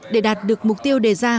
để đạt được mục tiêu đề ra